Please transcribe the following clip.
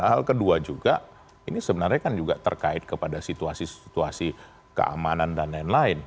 hal kedua juga ini sebenarnya kan juga terkait kepada situasi situasi keamanan dan lain lain